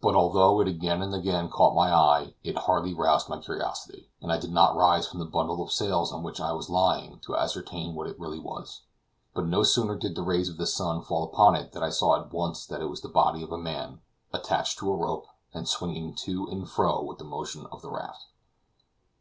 But although it again and again caught my eye, it hardly roused my curiosity, and I did not rise from the bundle of sails on which I was lying to ascertain what it really was. But no sooner did the rays of the sun fall upon it than I saw at once that it was the body of a man, attached to a rope, and swinging to and fro with the motion of the raft.